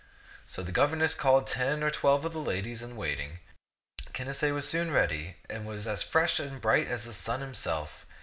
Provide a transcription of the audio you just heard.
So the governess called ten or twelve of the ladies in waiting. Canacee was soon ready, and was as fresh and bright as the sun himself.